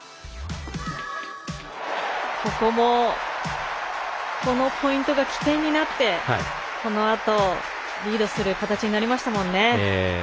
ここも、このポイントが起点になってこのあとリードする形になりましたもんね。